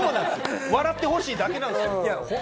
笑ってほしいだけなんですよ。